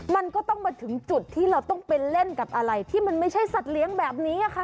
มันก็ต้องมาถึงจุดที่เราต้องไปเล่นกับอะไรที่มันไม่ใช่สัตว์เลี้ยงแบบนี้ค่ะ